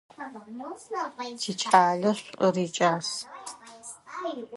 Тикӏалэ шӏур икӏас.